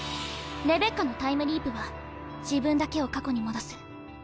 レベッカのタイムリープは自分だけを過去に戻す。